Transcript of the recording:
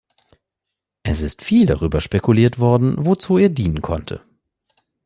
Es ist viel darüber spekuliert worden, wozu er dienen konnte.